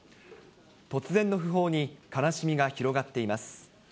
突然の訃報に、悲しみが広がっています。